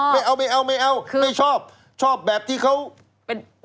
ไม่เอาไม่เอาไม่ชอบชอบแบบที่เขา